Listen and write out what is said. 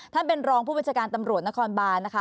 ท่านเป็นรองผู้บัญชาการตำรวจนครบานนะคะ